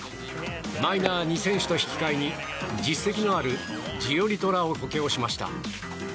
マイナー２選手と引き換えに実績のあるジオリトらを補強しました。